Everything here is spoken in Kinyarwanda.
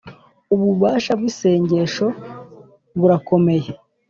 Ububasha bw’isengesho burakomeye